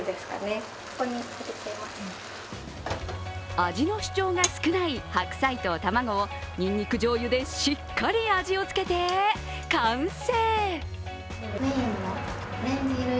味の主張が少ない白菜と卵をにんにくじょうゆでしっかり味をつけて完成。